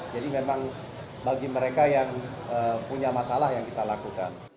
jadi memang bagi mereka yang punya masalah yang kita lakukan